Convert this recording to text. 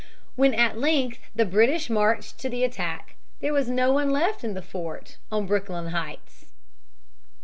When at length the British marched to the attack, there was no one left in the fort on Brooklyn Heights.